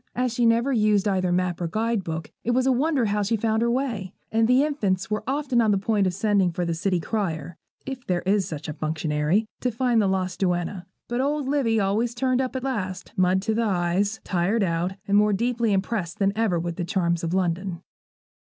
As she never used either map or guide book, it was a wonder how she found her way; and the infants were often on the point of sending for the city crier, if there is such a functionary, to find the lost duenna. But old Livy always turned up at last, mud to the eyes, tired out, and more deeply impressed than ever with the charms of London.